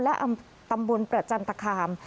และตำบลประจันตคาม